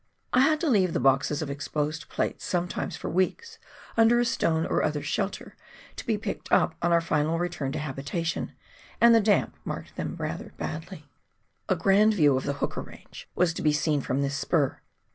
I had to leave the boxes of exposed plates sometimes for weeks under a stone or other shelter to be picked up on our final return to habitation, and the damp marked several rather badly. A grand view of the Hooker Range was to be seen from this spur.